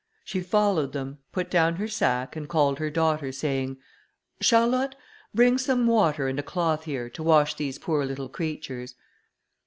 She followed them, put down her sack, and called her daughter, saying, "Charlotte, bring some water and a cloth here, to wash these poor little creatures."